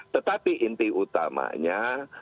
tetapi inti utamanya